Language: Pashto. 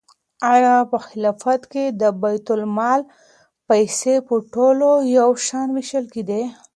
آیا په خلافت کې د بیت المال پیسې په ټولو یو شان وېشل کېدې؟